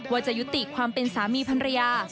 ว่าจะยุติความเป็นสามีพันรยา